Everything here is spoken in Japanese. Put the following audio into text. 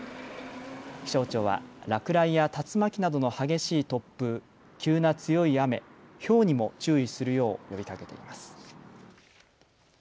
気象庁は落雷や竜巻などの激しい突風、急な強い雨、ひょうにも注意するよう呼びかけています。